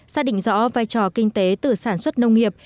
xác định rõ vai trò kinh tế từ sản xuất nông nghiệp